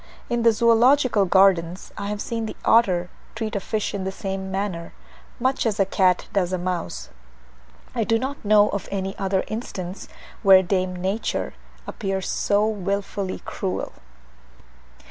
In the Zoological Gardens I have seen the otter treat a fish in the same manner, much as a cat does a mouse: I do not know of any other instance where dame Nature appears so wilfully cruel.